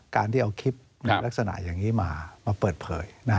การที่เอาคลิปในลักษณะอย่างนี้มามาเปิดเผย